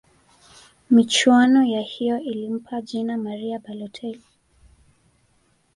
michuano ya hiyo ilimpa jina mario balotel